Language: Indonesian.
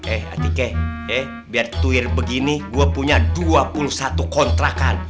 eh atike eh biar twir begini gue punya dua puluh satu kontrakan